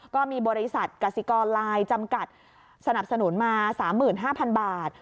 ก็มีบริษัทกสิกรไลน์จำกัดสนับสนุนมา๓๕๐๐๐บาท